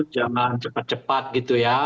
jangan cepat cepat gitu ya